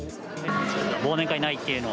忘年会ないっていうのは？